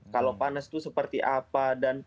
kalau panas itu seperti apa